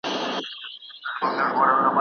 زه به خپله څېړنه سبا پیل کړم.